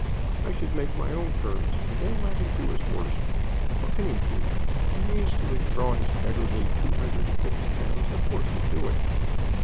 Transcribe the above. "I should make my own terms, and then let him do his worst. What can he do? If he means to withdraw his beggarly two hundred and fifty pounds, of course he'll do it."